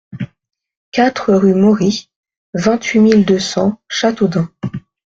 quatre rue Maury, vingt-huit mille deux cents Châteaudun